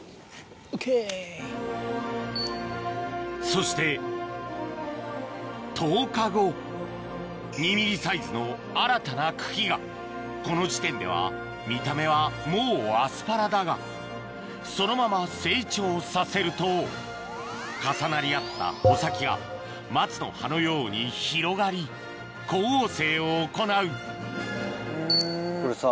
そして１０日後２ｍｍサイズの新たな茎がこの時点では見た目はもうアスパラだがそのまま成長させると重なり合った穂先が松の葉のように広がり光合成を行うこれさ。